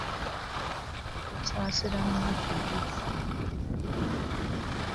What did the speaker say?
Weesaasira nnyo ekibi mwana wange ggwe.